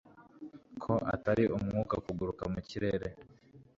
kuko atari umwuka kuguruka mu kirere